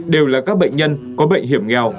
đều là các bệnh nhân có bệnh hiểm nghèo